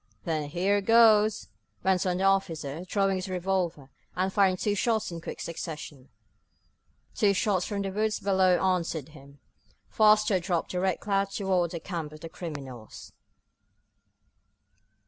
"Then here goes," went on the officer, drawing his revolver, and firing two shots in quick succession. Two shots from the woods below answered him. Faster dropped the Red Cloud toward the camp of the criminals.